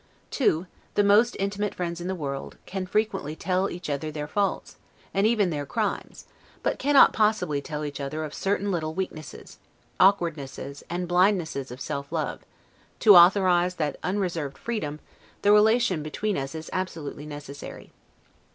Two, the most intimate friends in the world, can freely tell each other their faults, and even their crimes, but cannot possibly tell each other of certain little weaknesses; awkwardnesses, and blindnesses of self love; to authorize that unreserved freedom, the relation between us is absolutely necessary.